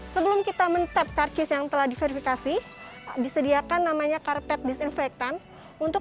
sebelum kita mentep karkis yang telah diverifikasi disediakan namanya karpet disinfektan untuk